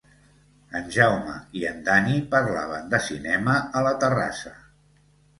En Jaume i en Dani parlaven de cinema a la terrassa